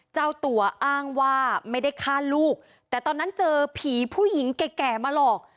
เจ้าตัวอ้างว่าไม่ได้ฆ่าลูกแต่ตอนนั้นเจอผีผู้หญิงแก่มาหลอก